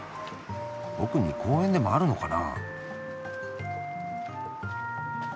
奥に公園でもあるのかな？